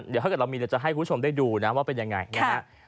เดี๋ยวเราก็จะให้คุณผู้ชมได้ดูว่าเป็นอย่างไรนะครับ